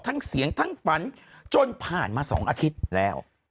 ทั้งเสียงทั้งฝันจนผ่านมา๒อาทิตย์แล้ว